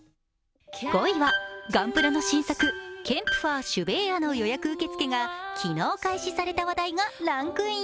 ５位はガンプラの新作ケンプファー・シュヴェーアの予約受付が昨日、開始された話題がランクイン。